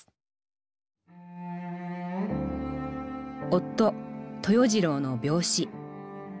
夫豊次郎の病死。